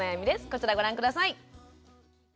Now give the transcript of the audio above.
こちらをご覧下さい。